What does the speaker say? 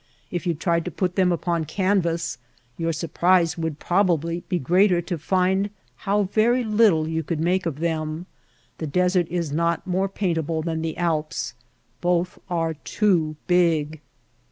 If you tried to put them upon can vas your surprise would probably be greater to find how very little you could make of them. The desert is not more paintable than the Alps. Both are too big.